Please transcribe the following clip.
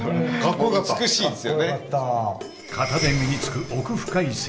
型で身につく奥深い世界。